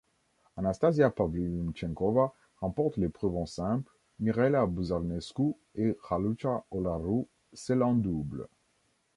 Anastasia Pavlyuchenkova remporte l'épreuve en simple, Mihaela Buzărnescu et Raluca Olaru celle en double.